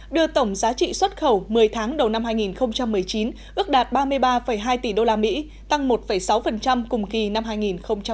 đưa tổng giá trị xuất khẩu một mươi tháng đầu năm hai nghìn một mươi chín ước đạt ba mươi ba hai tỷ đô la mỹ tăng một sáu cùng kỳ năm hai nghìn một mươi tám